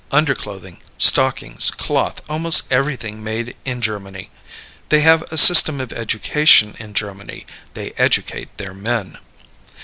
Underclothing, stockings, cloth, almost everything made in Germany. They have a system of education in Germany. They educate their men.